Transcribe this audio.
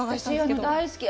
私、大好き。